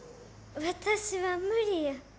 私は無理や。